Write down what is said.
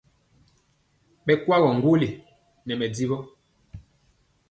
Ɓɛ kwagɔ ŋgolli nɛ mɛdivɔ.